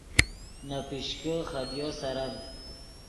نے پیشکے خدیو سرڤد